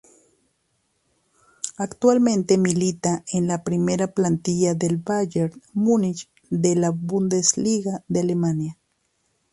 Actualmente milita en la primera plantilla del Bayern Múnich de la Bundesliga de Alemania.